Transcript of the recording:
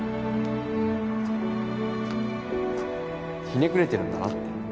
ひねくれてるんだなって。